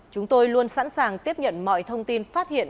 chúng tôi luôn sẵn sàng tiếp nhận mọi thông tin phát hiện